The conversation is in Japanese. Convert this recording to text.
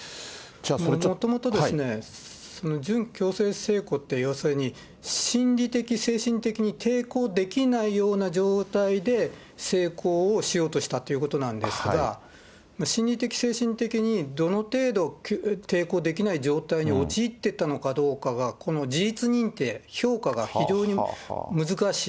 もともと、準強制性交って、要するに、心理的、精神的に抵抗できないような状態で、性交をしようとしたということなんですが、心理的、精神的にどの程度、抵抗できない状態に陥っていたのかどうかが、この事実認定、評価が非常に難しい。